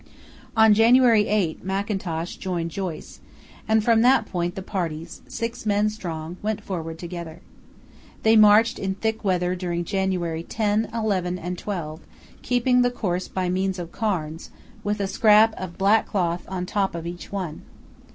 On January 8 Mackintosh joined Joyce, and from that point the parties, six men strong, went forward together. They marched in thick weather during January 10, 11, and 12, keeping the course by means of cairns, with a scrap of black cloth on top of each one.